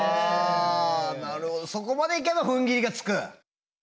そこまでいけばふんぎりがつく。